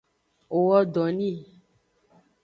O wo do ni.